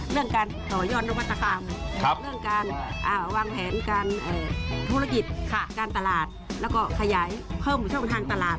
เรื่องการต่อยอดนวัตกรรมเรื่องการวางแผนการธุรกิจการตลาดแล้วก็ขยายเพิ่มช่องทางตลาด